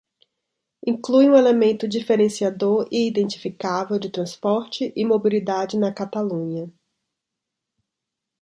Inclui um elemento diferenciador e identificável de transporte e mobilidade na Catalunha.